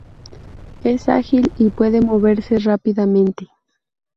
Es ágil y puede moverse rápidamente.